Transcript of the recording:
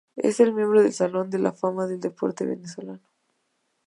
Es miembro del salón de la fama del deporte venezolano.